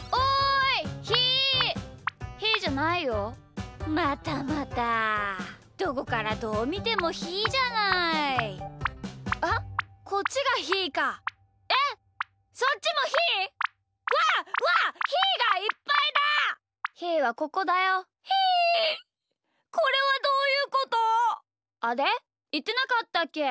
いってなかったっけ？